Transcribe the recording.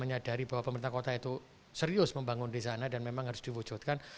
menyadari bahwa pemerintah kota itu serius membangun desa sana dan memang harus diwujudkan